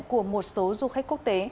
của một số du khách quốc tế